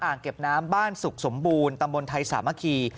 เก็บน้ำบ้านสุขสมบูรณ์ตำบลไทยสามัคคี